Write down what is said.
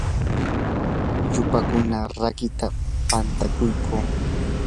yupaykuna rakiita pantakuyquu.